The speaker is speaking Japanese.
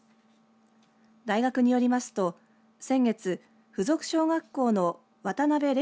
大学によりますと先月附属小学校の渡部玲